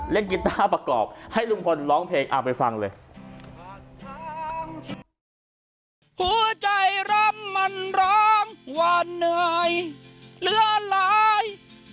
เล่นกีตาร์ประกอบให้ลุงพลร้องเพลงไปฟังเลย